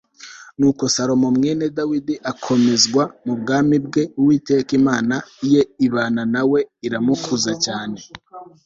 nuko salomo mwene dawidi akomezwa mu bwami bwe, uwiteka imana ye ibana na we, iramukuza cyane